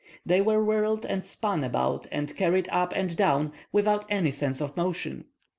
They were whirled and spun about and carried up and down without any sense of motion.